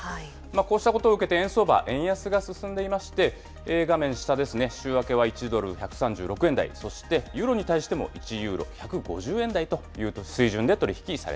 こうしたことを受けて円相場、円安が進んでいまして、画面下ですね、週明けは１ドル１３６円台、そしてユーロに対しても１ユーロ１５０円台という水準で取り引き